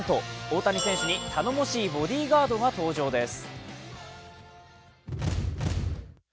大谷選手に頼もしいボディーガードが登場です。